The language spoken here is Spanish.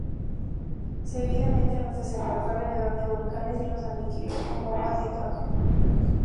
Seguidamente, los desembarcó alrededor de volcanes y los aniquiló con bombas de hidrógeno.